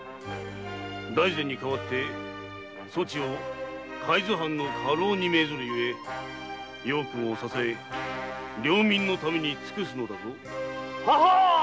大膳に代わりそちを海津藩の家老に命ずるゆえ幼君を支え領民のために尽くすのだぞ。ははーっ。